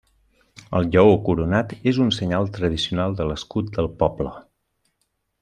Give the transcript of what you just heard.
El lleó coronat és un senyal tradicional de l'escut del poble.